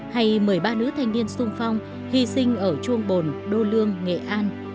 hay một mươi ba nữ thanh niên sung phong hy sinh ở chuông bồn đô lương nghệ an